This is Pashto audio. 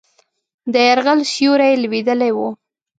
د یرغل سیوری لوېدلی وو.